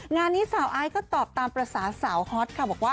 งานที่สาวไอคุณก็ตอบตามภาษาสาวฮอตค่ะ